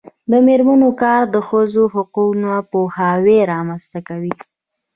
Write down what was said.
د میرمنو کار د ښځو حقونو پوهاوی رامنځته کوي.